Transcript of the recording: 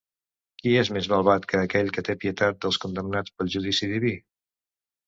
Qui és més malvat que aquell que té pietat dels condemnats per judici diví?